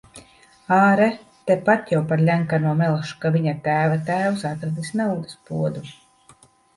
Āre, tepat jau par Ļenkano melš, ka viņa tēva tēvs atradis naudas podu.